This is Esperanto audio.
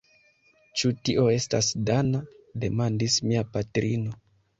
Ĉu tio estas dana? demandis mia patrino.